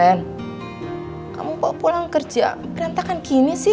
kamu kok pulang kerja berantakan gini sih